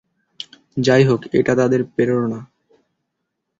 যাইহোক এটা তাদের প্রেরণা।